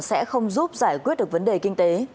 sẽ không giúp giải quyết được vấn đề kinh tế